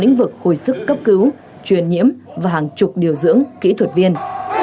lĩnh vực hồi sức cấp cứu truyền nhiễm và hàng chục điều dưỡng kỹ thuật viên